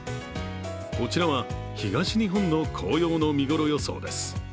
こちらは東日本の紅葉の見頃予想です。